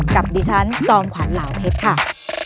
กับดิฉันจอมขวัญเหลาเพชรค่ะ